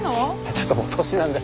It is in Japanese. ちょっともう年なんで。